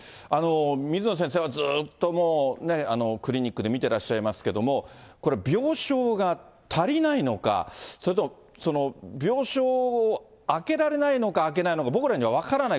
水野先生はずっとクリニックで診てらっしゃいますけれども、これ、病床が足りないのか、それとも病床を空けられないのか空けないのか、僕らには分からない。